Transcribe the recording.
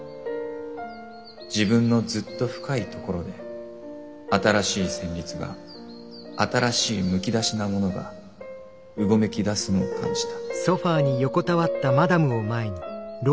自分のずっと深い所で新しい戦慄が新しいむき出しなものがうごめき出すのを感じた」。